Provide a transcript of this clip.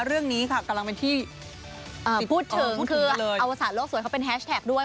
เรื่องนี้ค่ะกำลังเป็นที่พูดถึงคืออวสารโลกสวยเขาเป็นแฮชแท็กด้วย